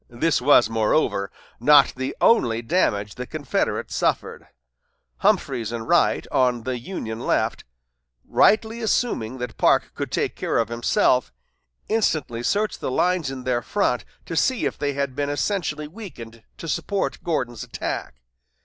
This was, moreover, not the only damage the Confederates suffered. Humphreys and Wright, on the Union left, rightly assuming that Parke could take care of himself, instantly searched the lines in their front to see if they had been essentially weakened to support Gordon's attack.